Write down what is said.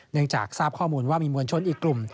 จากทราบข้อมูลว่ามีมวลชนอีกกลุ่ม